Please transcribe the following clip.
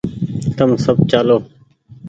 تم سب چآلو